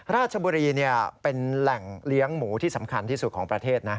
ราชบุรีเป็นแหล่งเลี้ยงหมูที่สำคัญที่สุดของประเทศนะ